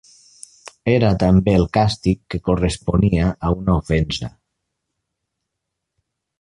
Era també el càstig que corresponia a una ofensa.